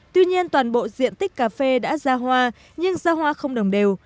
tuy nhiên toàn bộ diện tích cà phê đã ra hoa nhưng ra hoa không đồng đều